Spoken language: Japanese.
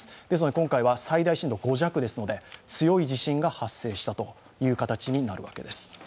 今回は最大震度５弱ですので、強い地震が発生したという形になるわけです。